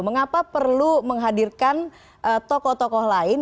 mengapa perlu menghadirkan tokoh tokoh lain